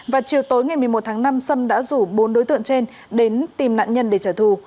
và chiều tối ngày một mươi một tháng năm sâm đã rủ bốn đối tượng trên đến tìm nạn nhân để trả thù